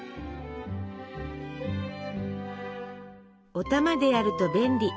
「お玉でやると便利」。